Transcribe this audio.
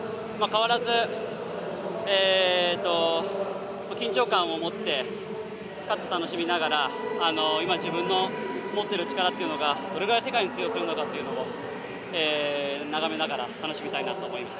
変わらずえっと緊張感を持ってかつ楽しみながら今自分の持ってる力っていうのがどれぐらい世界に通用するのかっていうのを眺めながら楽しみたいなと思います。